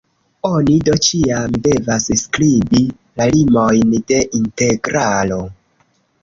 Oni do ĉiam devas skribi la limojn de integralo.